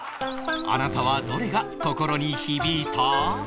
あなたはどれが心に響いた？